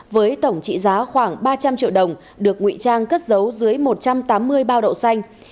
với tổng trị giá khoảng ba trăm linh triệu đồng được nguyễn trang cất giấu dưới một trăm tám mươi bao đậu xanh